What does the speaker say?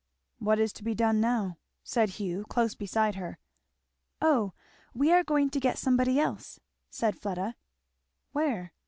"What is to be done now?" said Hugh close beside her. "O we are going to get somebody else," said Fleda. "Where?"